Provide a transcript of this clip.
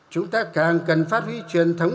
chúng ta càng cần phát huy truyền thống